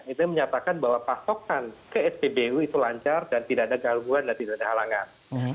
itu menyatakan bahwa pasokan ke spbu itu lancar dan tidak ada gangguan dan tidak ada halangan